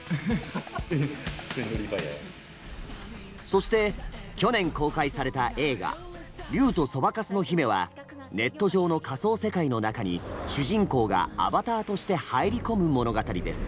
そして去年公開された映画「竜とそばかすの姫」はネット上の仮想世界の中に主人公が「アバター」として入り込む物語です。